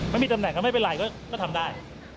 ไม่มีตำแหนก็ไม่เป็นไรก็ทำได้